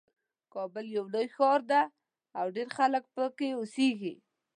کابل یو لوی ښار ده او ډېر خلک پکې اوسیږي